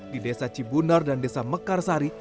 di desa cibunar dan desa mekarsari